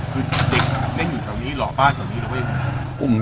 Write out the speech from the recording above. คือเด็กเล่นอยู่แถวนี้หล่อบ้านแถวนี้แล้วก็ยังไง